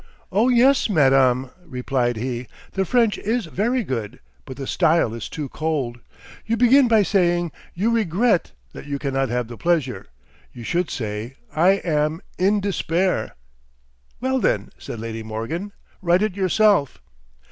"Oh, yes, madam," replied he; "the French is very good, but the style is too cold. You begin by saying, You regret that you cannot have the pleasure. You should say, I am in despair." "Well, then," said Lady Morgan, "write it yourself."